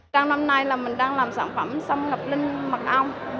trong năm nay là mình đang làm sản phẩm xăm ngập linh mật ong